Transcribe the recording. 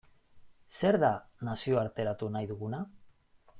Zer da nazioarteratu nahi duguna?